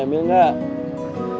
udah ambil gak